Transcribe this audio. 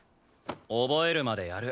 覚えるまでやる。